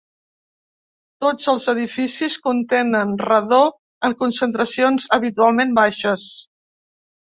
Tots els edificis contenen radó en concentracions habitualment baixes.